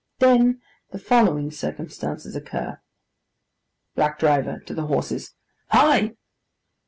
Then the following circumstances occur. BLACK DRIVER (to the horses). 'Hi!